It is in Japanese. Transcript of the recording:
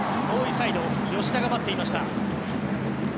遠いサイドで吉田が待っていました。